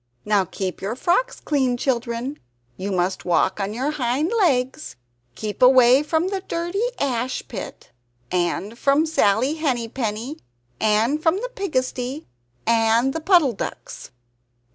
"Now keep your frocks clean, children! You must walk on your hind legs. Keep away from the dirty ash pit, and from Sally Henny Penny, and from the pigsty and the Puddle ducks."